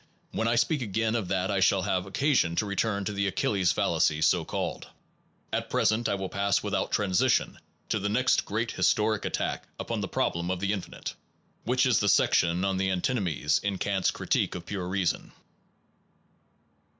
When I speak again of that I shall have occa sion to return to the Achilles fallacy, so called. At present I will pass without transition to the next great historic attack upon the problem of the infinite, which is the section on the An tinomies in Kant s Critique of Pure Reason.